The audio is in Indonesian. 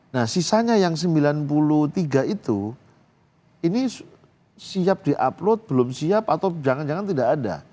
nah sisanya yang sembilan puluh tiga itu ini siap di upload belum siap atau jangan jangan tidak ada